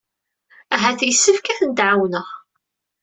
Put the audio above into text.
Ahat yessefk ad ten-ɛawneɣ.